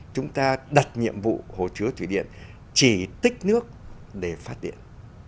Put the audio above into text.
chúng ta đặt nhiệm vụ hồ chứa thủy điện chỉ tích nước để phát điện